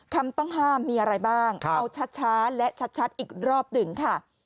คำต้องห้ามมีอะไรบ้างเอาช้าและชัดอีกรอบหนึ่งค่ะ